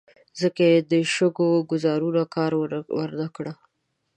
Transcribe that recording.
ځکه یې د شګو ګوزارونو کار ور نه کړ.